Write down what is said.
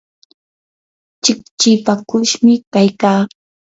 chikchipakushmi kaykaa.